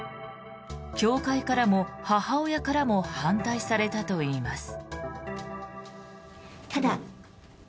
教会からも母親からも反対されたといいます。